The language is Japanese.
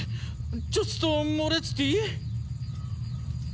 ちょつとモレツティ？